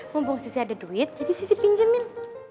mombong sissy ada duit jadi sissy pinjemin